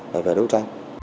và về đối tra